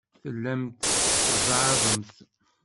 Tellamt tzeɛɛḍemt.